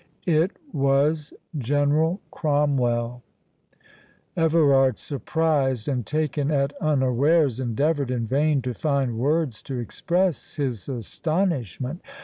It was General Cromwell. Everard, surprised and taken at unawares, endeavoured in vain to find words to express his astonishment.